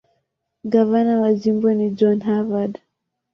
Gavana wa jimbo ni John Harvard.